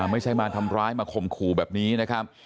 ไม่ใช่มาทำร้ายมาข่มขู่แบบนี้นะครับ